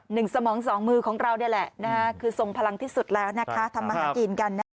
หนึ่งสมองสองมือของเรานี่แหละคือทรงพลังที่สุดแล้วทำมาหากินกัน